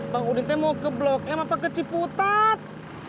minta mau ke blok m apa keciputat